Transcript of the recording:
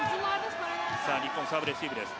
日本のサーブレシーブです。